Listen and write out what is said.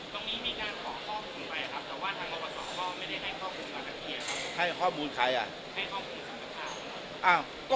ตอนนี้มีการขอข้อมูลไปนะครับ